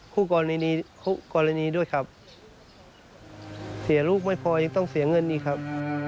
คู่กรณีด้วยครับเสียลูกไม่พอยังต้องเสียเงินอีกครับ